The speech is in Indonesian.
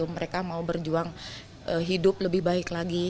mereka mau berjuang hidup lebih baik lagi